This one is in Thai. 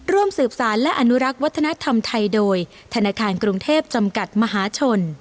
ร่วมสืบสารและอนุรักษ์วัฒนธรรมไทยโดยธนาคารกรุงเทพจำกัดมหาชน